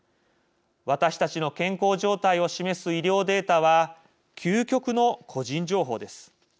私たちの健康状態を示す医療データは究極の個人情報です。